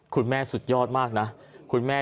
คุณแม่สุดยอดมากนะ